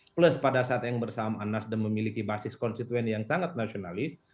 plus pada saat yang bersamaan nasdem memiliki basis konstituen yang sangat nasionalis